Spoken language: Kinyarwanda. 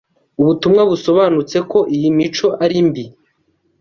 ubutumwa busobanutse ko iyi mico ari mbi